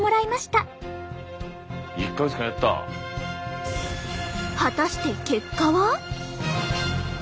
果たして結果は？